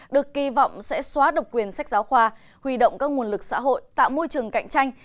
được kỳ vọng sẽ xóa độc quyền sách giáo khoa huy động các nguồn lực xã hội tạo môi trường cạnh tranh